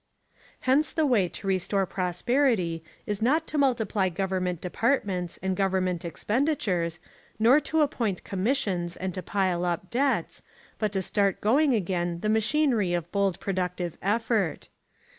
Hence the way to restore prosperity is not to multiply government departments and government expenditures, nor to appoint commissions and to pile up debts, but to start going again the machinery of bold productive effort.